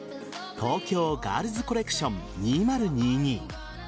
東京ガールズコレクション２０２２。